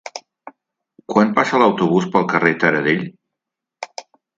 Quan passa l'autobús pel carrer Taradell?